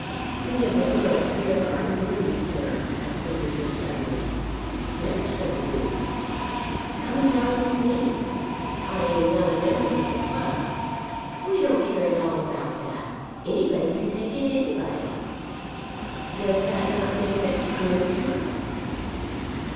"You never were at the Beargarden; were you, sir?" asked Silverbridge suddenly. "Never," said the Duke. "Come and dine with me." "I am not a member of the club." "We don't care at all about that. Anybody can take in anybody." "Does not that make it promiscuous?"